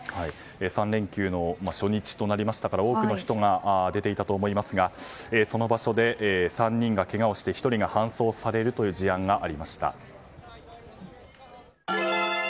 ３連休の初日となりましたから多くの人が出ていたと思いますがその場所で３人がけがをして１人が搬送されるという事案がありました。